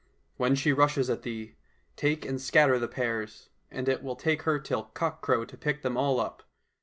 When she rushes at thee, take and scatter the pears, and it will take her till cockcrow to pick them all up.